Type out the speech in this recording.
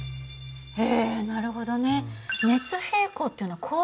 へえなるほどね。